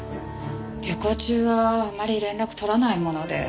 旅行中はあまり連絡とらないもので。